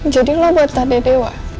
jadi lo buat tadi dewa